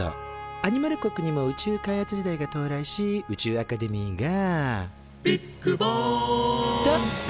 アニマル国にも宇宙開発時代が到来し宇宙アカデミーが「ビッグバーン！」と誕生。